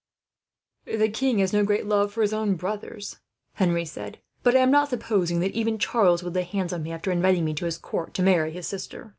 "The king has no great love for his own brothers," Henri said; "but I am not supposing that even Charles would lay hands on me, after inviting me to his court to marry his sister.